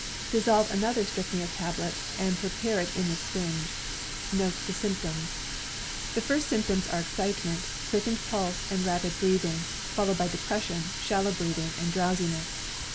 Dissolve another strychnia tablet and prepare it in the syringe.^ Note the symptoms. The first symptoms are excitement, quickened pulse and rapid breathing, followed by depression, shallow breathing and drowsiness.